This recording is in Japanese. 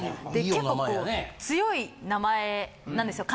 結構強い名前なんですよ